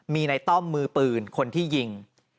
มีในต้อมมือปืนคนที่ยิง